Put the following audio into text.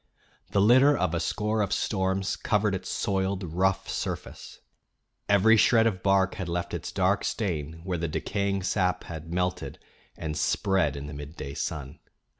The litter of a score of storms covered its soiled rough surface; every shred of bark had left its dark stain where the decaying sap had melted and spread in the midday sun.